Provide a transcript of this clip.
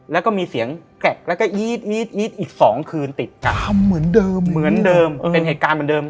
แล้วก็มีเสียงแกล็กแล้วก็อี๊ดอี๊ดอี๊ดอี๊ดอีก๒คืนติดกันเหมือนเดิมเป็นเหตุการณ์เหมือนเดิม